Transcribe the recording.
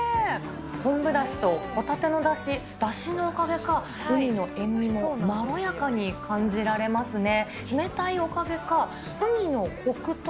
昆布だしとホタテのだし、だしのおかげか、ウニの塩味もまろやかに感じられますね。